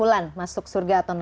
dan yang kelima